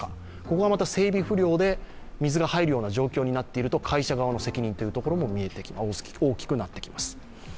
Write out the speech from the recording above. ここがまた整備不良で水が入るような状況になっていると会社側の責任も大きくなってきます。